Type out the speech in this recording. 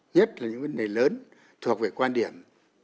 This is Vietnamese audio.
nhất là những vấn đề lớn thuộc về quan điểm